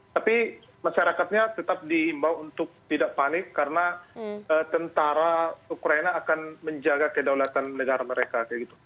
tapi masyarakatnya tetap diimbau untuk tidak panik karena tentara ukraina akan menjaga kedaulatan negara mereka